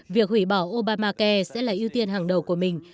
việc hủy bỏ obamacai sẽ là ưu tiên hàng đầu của mình